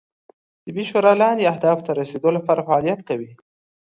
طبي شورا لاندې اهدافو ته رسیدو لپاره فعالیت کوي